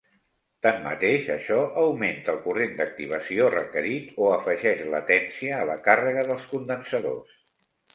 Tanmateix, això augmenta el corrent d'activació requerit o afegeix latència a la càrrega dels condensadors.